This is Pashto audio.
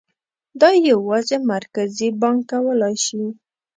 دا یوازې مرکزي بانک کولای شي.